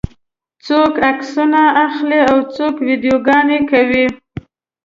څوک عکسونه اخلي او څوک ویډیوګانې کوي.